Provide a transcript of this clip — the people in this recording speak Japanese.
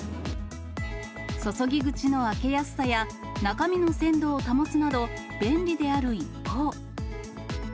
注ぎ口の開けやすさや、中身の鮮度を保つなど、便利である一方。